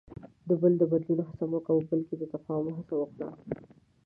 د بل د بدلون هڅه مه کوه، بلکې د تفاهم هڅه وکړه.